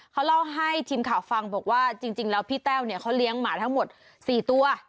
เขาเล่าให้ทีมข่าวฟังบอกว่าจริงแล้วพี่แต้วเนี่ยเขาเลี้ยงหมาทั้งหมด๔ตัว